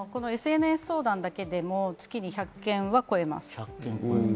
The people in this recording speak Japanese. ＳＮＳ相談だけでも月に１００件は超えます。